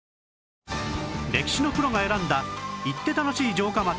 歴史のプロが選んだ行って楽しい城下町